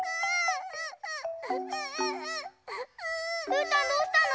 うーたんどうしたの？